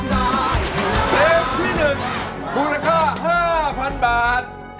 เตรียมที่๑คุณค่า๕๐๐๐บาท